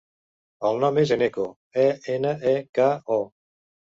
El nom és Eneko: e, ena, e, ca, o.